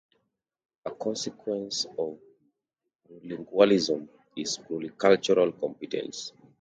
A consequence of plurilingualism is pluricultural competence.